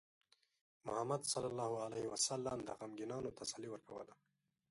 محمد صلى الله عليه وسلم د غمگینانو تسلي ورکوله.